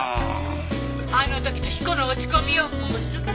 あの時の彦の落ち込みよう面白かったね。